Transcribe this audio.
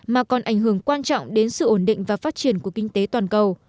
mà còn ảnh hưởng quan trọng đến sự ổn định và phát triển của kinh tế toàn cầu